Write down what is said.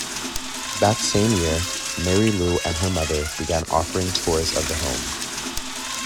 That same year, Mary Lou and her mother began offering tours of the home.